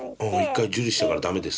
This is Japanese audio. １回受理したから駄目ですと。